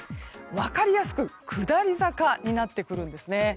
分かりやすく下り坂になってくるんですね。